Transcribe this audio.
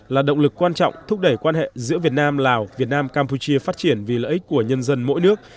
là động lực quan trọng thúc đẩy quan hệ giữa việt nam lào việt nam campuchia phát triển vì lợi ích của nhân dân mỗi nước